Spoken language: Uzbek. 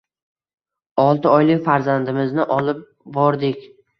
Olti oylik farzandimizni olib bordik.